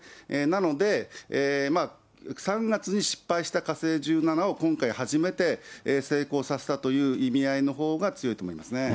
なので、３月に失敗した火星１７を、今回初めて成功させたという意味合いのほうが強いと思いますね。